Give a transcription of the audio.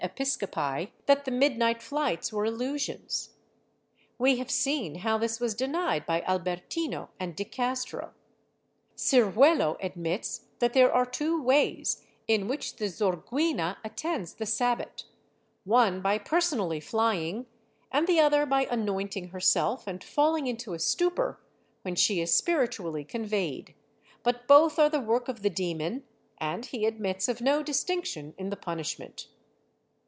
Episcopi that the midnight flights were illusions. We have seen how this was denied by Albertino and de Castro. Ciruelo admits that there are two waj^s in which the Xorguina attends the Sabbat, one by personally flying, and the other by anointing herself and falling into a stupor, when she is spiritually conveyed, but both are the work of the demon and he admits of no distinction in the punishment.